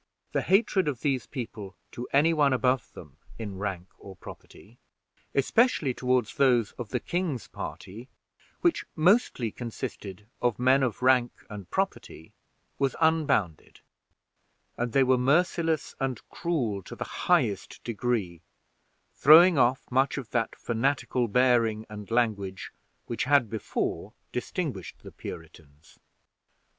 The hatred of these people to any one above them in rank or property, especially toward those of the king's party, which mostly consisted of men of rank and property, was unbounded, and they were merciless and cruel to the highest degree, throwing off much of that fanatical bearing and language which had before distinguished the Puritans.